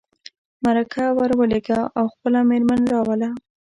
مرکه ور ولېږه او خپله مېرمن راوله.